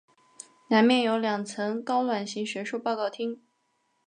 南面有两层高卵形学术报告厅。